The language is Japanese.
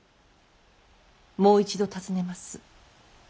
もう一度尋ねます。